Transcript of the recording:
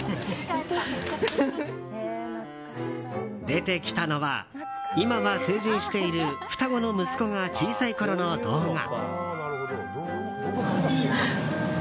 出てきたのは今は成人している双子の息子が小さいころの動画。